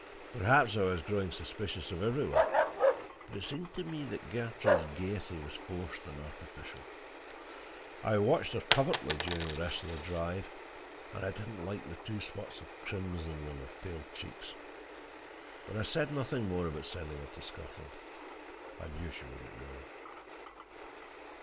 Perhaps I was growing suspicious of every one, but it seemed to me that Gertrude's gaiety was forced and artificial. I watched her covertly during the rest of the drive, and I did not like the two spots of crimson in her pale cheeks. But I said nothing more about sending her to Scotland: I knew she would not go.